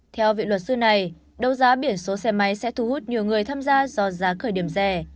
theo vị luật sư này đấu giá biển số xe máy sẽ thu hút nhiều người tham gia do giá khởi điểm rẻ